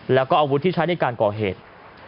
แล้วก็อาวุธที่ใช้ในการก่อเหตุ